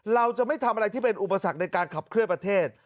เราจะไม่ทำอะไรที่เป็นอุปสรรคในการขับเคลื่อนประเทศ